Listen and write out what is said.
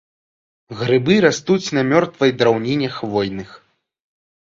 Грыбы растуць на мёртвай драўніне хвойных.